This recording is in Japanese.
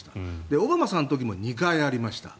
オバマさんの時も２回ありました。